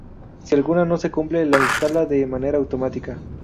Si alguna no se cumple, las instala de manera automática.